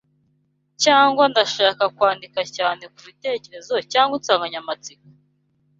cyangwa ndashaka kwandika cyane kubitekerezo cyangwa insanganyamatsiko?